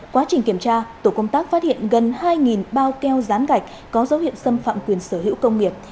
quá trình kiểm tra tổ công tác phát hiện gần hai bao keo rán gạch có dấu hiệu xâm phạm quyền sở hữu công nghiệp